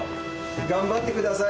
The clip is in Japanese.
頑張ってください。